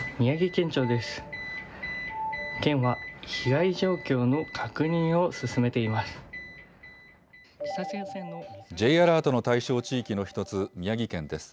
県は被害状況の確認を進めています。